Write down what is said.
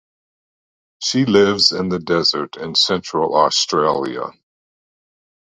She lives in the desert in Central Australia.